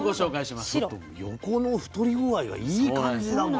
なんかちょっと横の太り具合がいい感じだもの。